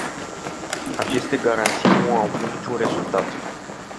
Aceste garanții nu au avut niciun rezultat.